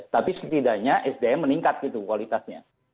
tapi setidaknya sdm meningkat gitu kualitasnya